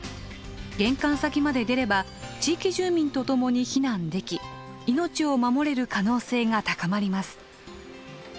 玄関先まで出れば地域住民と共に避難でき命を守れる可能性が高まります。